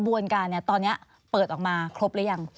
วนการตอนนี้เปิดออกมาครบหรือยัง